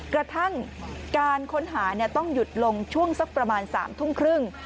กระทั่งการค้นหาต้องหยุดลงช่วงสักประมาณ๓ทุ่มครึ่ง